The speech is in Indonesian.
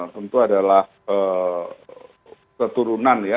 tentu adalah keturunan ya